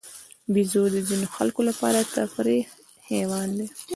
بیزو د ځینو خلکو لپاره تفریحي حیوان دی.